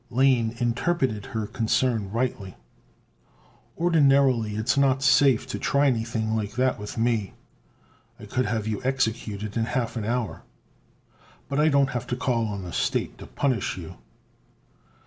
Lane interpreted her concern rightly. "Ordinarily it's not safe to try anything like that with me. I could have you executed in half an hour. But I don't have to call on the State to punish you.